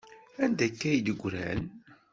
Anda akka ay d-ggran?